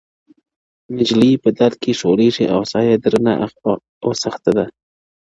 نجلۍ په درد کي ښورېږي او ساه يې درنه او سخته ده,